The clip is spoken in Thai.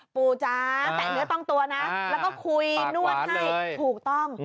จ๋าแตะเนื้อต้องตัวนะแล้วก็คุยนวดให้ถูกต้อง